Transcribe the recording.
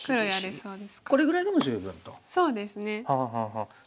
そうですね。